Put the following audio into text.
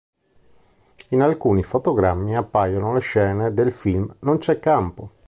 In alcuni fotogrammi appaiono le scene del film Non c'è campo.